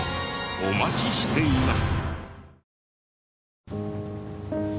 お待ちしています。